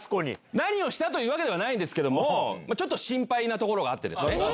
何をしたというあれはないんですけど、ちょっと心配なところがあってですね。